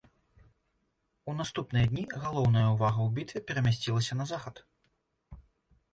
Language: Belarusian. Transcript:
У наступныя дні галоўная ўвага ў бітве перамясцілася на захад.